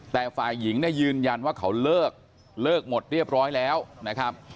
แต่ฝ่ายหญิงเนี่ยยืนยันว่าเขาเลิกเลิกหมดเรียบร้อยแล้วนะครับ